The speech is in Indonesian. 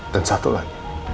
dan satu lagi